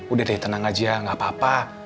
udah deh tenang aja gak apa apa